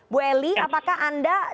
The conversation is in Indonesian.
bu elie apakah anda